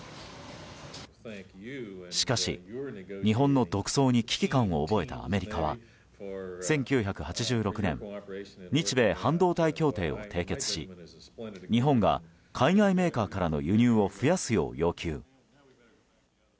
しかし、日本の独走に危機感を覚えたアメリカは１９８６年日米半導体協定を締結し日本が海外メーカーからの輸入を増やすよう要求。